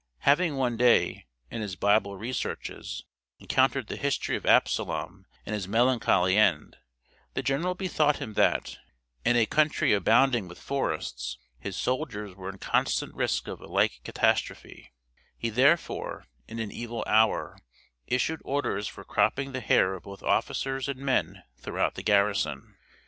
Having one day, in his Bible researches, encountered the history of Absalom and his melancholy end, the general bethought him that, in a country abounding with forests, his soldiers were in constant risk of a like catastrophe; he therefore, in an evil hour, issued orders for cropping the hair of both officers and men throughout the garrison.